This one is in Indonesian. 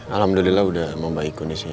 alhamdulillah udah membaiki kondisinya